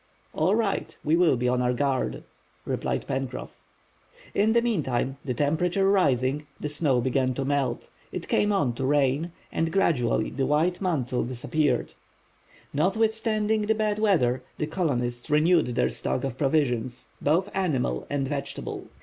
"All right, we will be on our guard," replied Pencroff. In the meantime, the temperature rising, the snow began to melt, it came on to rain, and gradually the white mantle disappeared. Notwithstanding the bad weather the colonists renewed their stock of provisions, both animal and vegetable.